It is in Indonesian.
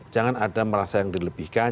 jangan ada merasa yang dilebihkan